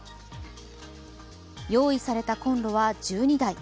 用意されたコンロは１２台。